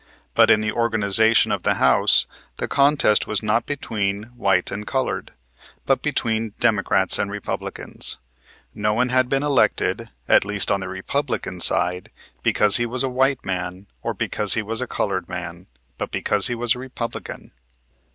But in the organization of the House, the contest was not between white and colored, but between Democrats and Republicans. No one had been elected, at least on the Republican side, because he was a white man or because he was a colored man, but because he was a Republican.